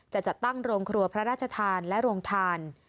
จะจัดตั้งโรงครัวพระราชทานและโรงทาน